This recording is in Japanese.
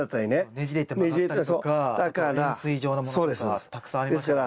ねじれて曲がったりとかあと円錐状のものとかたくさんありますよね。